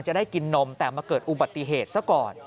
จะได้กินนมแต่มาเกิดอุบัติเหตุซะก่อน